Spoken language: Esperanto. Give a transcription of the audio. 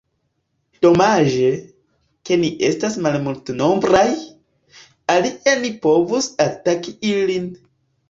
Domaĝe, ke ni estas malmultenombraj, alie ni povus ataki ilin!